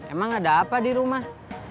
emang ada apa di rumah